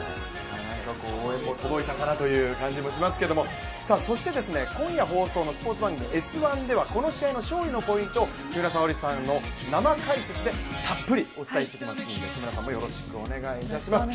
応援も届いたかなという感じもしましたけれどもそして、今夜放送のスポーツ番組「Ｓ☆１」ではこの試合の勝利のポイントを木村沙織さんの生解説でたっぷりお伝えしていきますので木村さんもよろしくお願いします。